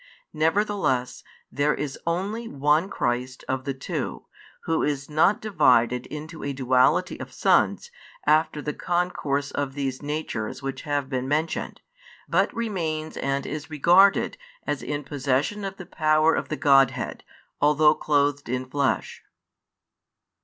Nevertheless there is only One Christ of the two, Who is not divided into a duality of Sons after the concourse of these Natures which have been mentioned, but remains and is regarded as in possession of the power of the Godhead, although clothed in Flesh.